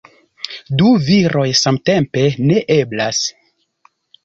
Du viroj samtempe, neeblas